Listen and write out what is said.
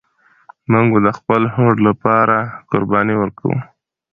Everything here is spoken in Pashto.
موږ به د خپل هوډ لپاره قرباني ورکوو.